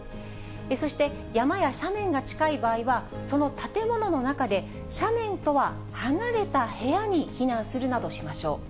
そして、山や斜面が近い場合は、その建物の中で斜面とは離れた部屋に避難するなどしましょう。